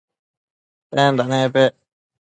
tenda napec?